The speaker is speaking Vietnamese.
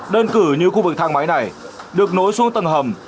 đơn cử như khu vực thang máy này được nối xuống tầng hầm